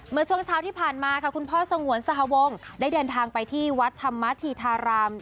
เมื่อช่วงเช้าที่ผ่านมาค่ะคุณพ่อสงวนสหวงได้เดินทางไปที่วัดธรรมธีธาราม